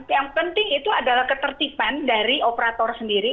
yang penting itu adalah ketertiban dari operator sendiri